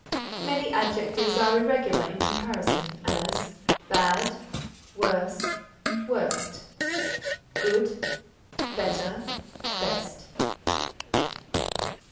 Many adjectives are irregular in comparison; as, Bad, worse, worst; Good, better, best.